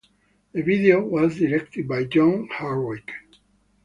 The video was directed by John Hardwick.